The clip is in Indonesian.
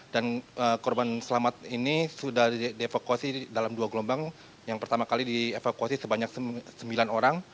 dan korban selamat ini sudah dievakuasi dalam dua gelombang yang pertama kali dievakuasi sebanyak sembilan orang